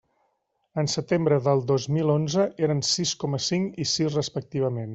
En setembre del dos mil onze eren sis coma cinc i sis respectivament.